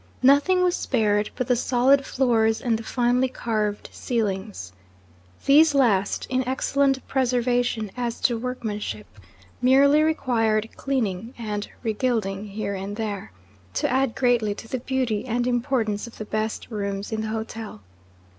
Nothing was spared but the solid floors and the finely carved ceilings. These last, in excellent preservation as to workmanship, merely required cleaning, and regilding here and there, to add greatly to the beauty and importance of the best rooms in the hotel.